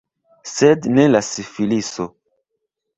Sed ne la sifiliso.